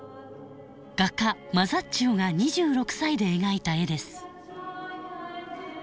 画家マザッチオが２６歳で描いた絵です。